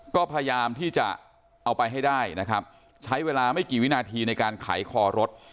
ก็พยายามที่จะเอาไปให้ได้นะครับใช้เวลาไม่กี่วินาทีในการไขคอรถ